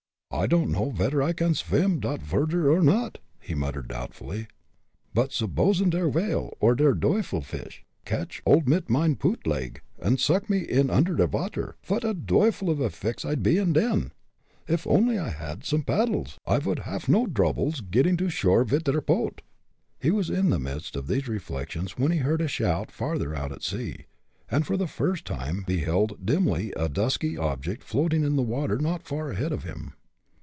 "I don'd know vedder I can swum dot furder or not," he muttered, doubtfully. "But subbosin' der whale, or der duyfel fish, catch 'old mit mine pootleg, und suck me in under der vater. Vot a duyfel o' a fix I'd be in den. Off I only had some paddles, I vould haff no droubles getting to shore vid der poat." He was in the midst of these reflections when he heard a shout farther out at sea, and for the first time beheld dimly a dusky object floating in the water not far ahead of him.